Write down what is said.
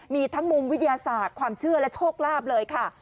มีทั้งมุมวิทยาศาสตร์ความเชื่อและโชคลาภเลยค่ะ